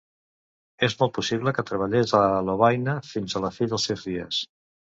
És molt possible que treballés a Lovaina fins a la fi dels seus dies.